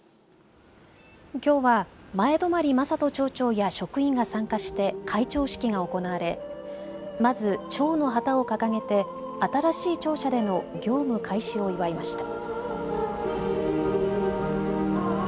きょうは前泊正人町長や職員が参加して開庁式が行われまず町の旗を掲げて新しい庁舎での業務開始を祝いました。